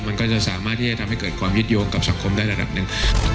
มันก็จะสามารถที่จะทำให้เกิดความยึดโยงกับสังคมได้ระดับหนึ่ง